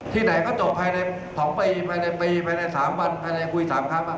ที่ไหนก็จบภายใน๒ปีภายในปีภายใน๓วันภายในคุย๓ครั้ง